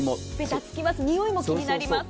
においも気になります。